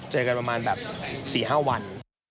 เจอกันประมาณแบบ๔๕วัน